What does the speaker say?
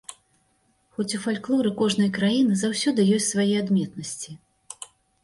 Хоць у фальклоры кожнай краіны заўсёды ёсць свае адметнасці.